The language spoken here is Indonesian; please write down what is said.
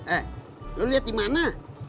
eh lu liat dimana